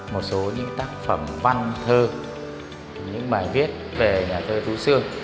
một số những tác phẩm văn thơ những bài viết về nhà sơ tế sương